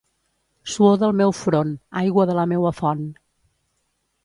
Suor del meu front, aigua de la meua font.